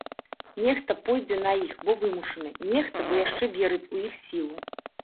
Нехта пойдзе на іх бо вымушаны, нехта бо яшчэ верыць у іх сілу.